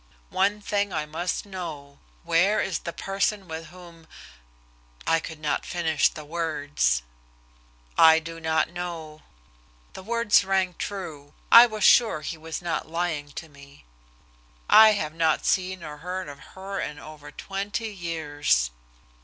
One thing I must know. "Where is the person with whom " I could not finish the words. "I do not know." The words rang true. I was sure he was not lying to me. "I have not seen or heard of her in over twenty years."